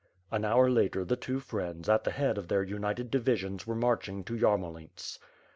An hour later, the two friends, at the head of their united divisions were marching to Yarmolints.